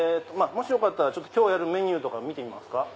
もしよかったら今日やるメニュー見てみますか？